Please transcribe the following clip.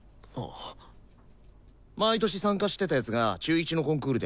毎年参加してた奴が中１のコンクールでパッタリだからさ。